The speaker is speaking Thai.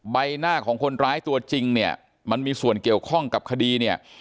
ใบหน้าของคนร้ายตัวจริงเนี่ยมันมีส่วนเกี่ยวข้องกับคดีเนี่ย